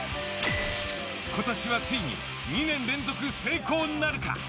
今年はついに２年連続成功なるか？